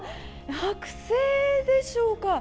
剥製でしょうか？